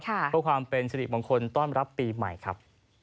เพราะเป็นสนิทบางคนต้องรับปีใหม่ครับ